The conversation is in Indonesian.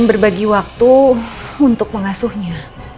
dibagi waktu untuk pengasuhnya